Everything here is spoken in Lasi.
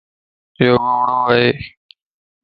يو گوڙو ائي.